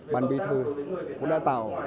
ban bi thư cũng đã tạo